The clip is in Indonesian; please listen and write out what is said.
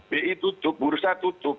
bi tutup bursa tutup